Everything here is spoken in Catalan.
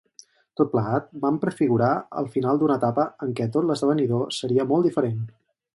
Tot plegat, van prefigurar el final d'una etapa en què tot l'esdevenidor seria molt diferent.